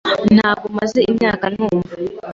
Ntabwo maze imyaka numva .